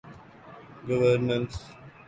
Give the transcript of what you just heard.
Guernsey